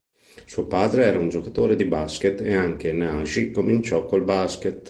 Suo padre era un giocatore di basket e anche Nagy cominciò col basket.